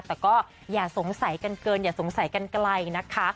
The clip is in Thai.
แต่ก็อย่าสงสัยกันเกินอย่าสงสัยกันไกลนะคะ